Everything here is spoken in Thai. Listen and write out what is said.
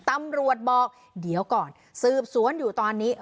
ตำรวจบอกเดี๋ยวก่อนสืบสวนอยู่ตอนนี้